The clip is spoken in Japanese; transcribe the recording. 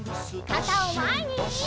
かたをまえに！